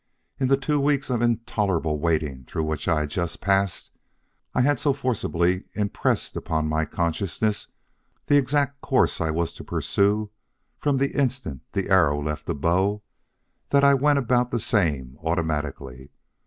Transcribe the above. In the two weeks of intolerable waiting through which I had just passed, I had so forcibly impressed upon my consciousness the exact course I was to pursue from the instant the arrow left the bow that I went about the same automatically.